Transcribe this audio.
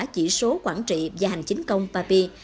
chỉ số quản trị và hành chính công papi